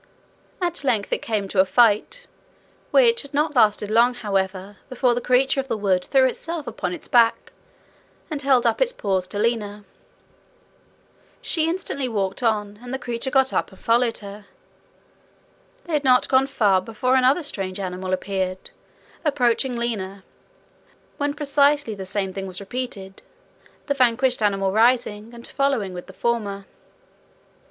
At length it came to a fight, which had not lasted long, however, before the creature of the wood threw itself upon its back, and held up its paws to Lina. She instantly walked on, and the creature got up and followed her. They had not gone far before another strange animal appeared, approaching Lina, when precisely the same thing was repeated, the vanquished animal rising and following with the former.